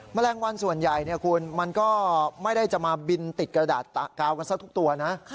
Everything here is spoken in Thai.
แมลงวันส่วนใหญ่คุณมันก็ไม่ได้จะมาบินติดกระดาษกาวกันซะทุกตัวนะ